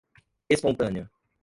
espontânea